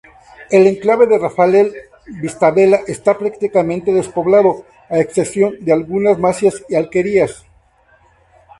El enclave de Rafalell-Vistabella está prácticamente despoblado, a excepción de algunas masías y alquerías.